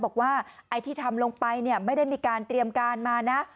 บอกว่าไอ้ที่ทำลงไปเนี่ยไม่ได้มีการเตรียมการมานะ